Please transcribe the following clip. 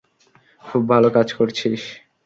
খুব ভালো কাজ করছিস!